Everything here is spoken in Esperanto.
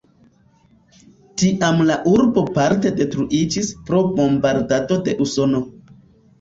Tiam la urbo parte detruiĝis pro bombardado de Usono.